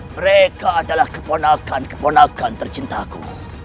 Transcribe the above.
mereka adalah keponakan keponakan tercintaku